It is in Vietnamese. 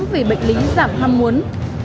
vì bệnh lính giảm ham muốn